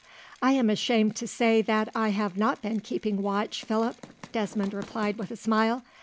"I am ashamed to say that I have not been keeping watch, Philip," Desmond replied with a smile.